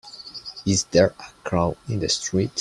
Is there a crowd in the street?